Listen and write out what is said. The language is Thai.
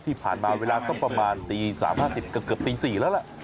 ที่ผ่านมาเวลาสักประมาณตี๓๕๐เกือบตี๔แล้วล่ะ